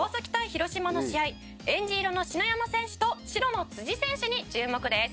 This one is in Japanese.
広島の試合」「えんじ色の篠山選手と白の選手に注目です」